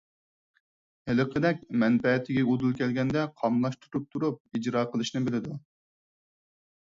ھېلىقىدەك مەنپەئەتىگە ئۇدۇل كەلگەندە قاملاشتۇرۇپ تۇرۇپ ئىجرا قىلىشنى بىلىدۇ.